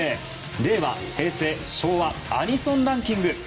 令和ｖｓ平成ｖｓ昭和アニソンランキング」。